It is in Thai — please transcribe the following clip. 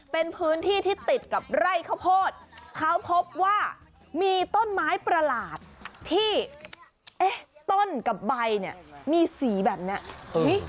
เป็นพื้นที่ที่ติดกับไร่ข้าวโพดเขาพบว่ามีต้นไม้ประหลาดที่เอ๊ะต้นกับใบเนี่ยมีสีแบบเนี้ย